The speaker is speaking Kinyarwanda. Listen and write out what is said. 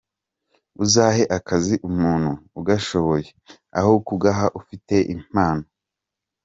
Uzahe akazi umuntu ugashoboye, aho kugaha ufite impano.